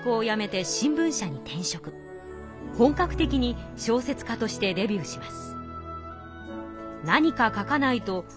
本格的に小説家としてデビューします。